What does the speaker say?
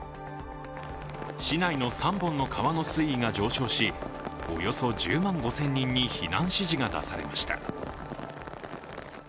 市内の３本の川の水位が上昇しおよそ１０万５０００人に避難指示が出されました。